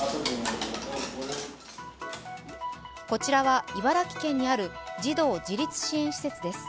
こちらは茨城県にある児童自立支援施設です。